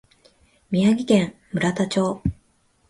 宮城県村田町